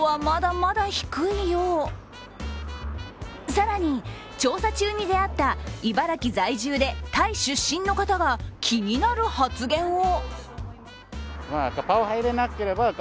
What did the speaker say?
更に調査中に出会った茨城在住でタイ出身の方が気になる発言を。